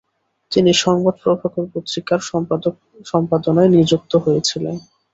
তিনি সংবাদ প্রভাকর পত্রিকার সম্পাদনায় নিযুক্ত হয়েছিলেন।